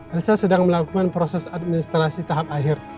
elsa sedang melakukan proses administrasi tahap akhir